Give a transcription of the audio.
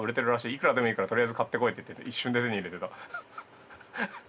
いくらでもいいからとりあえず買ってこい」って言ってて一瞬で手に入れてた。